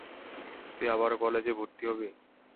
তুই আবারও কলেজে ভর্তি হবি!